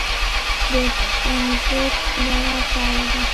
د سټنډرډ اداره فعاله ده؟